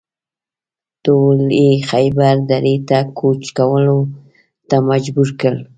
ټول یې خیبر درې ته کوچ کولو ته مجبور کړل.